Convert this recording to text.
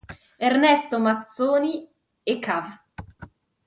Ernesto Mazzoni e cav.